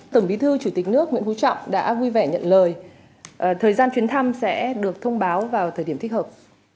tổng bí thư chủ tịch nước nguyễn phú trọng đã vui vẻ nhận lời thời gian chuyến thăm sẽ được thông báo vào thời điểm thích hợp